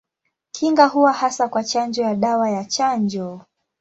Kinga huwa hasa kwa chanjo ya dawa ya chanjo.